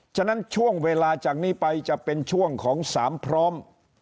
ฉะนั้นช่วงเวลาจากนี้ไปจะเป็นช่วงของ๓พร้อม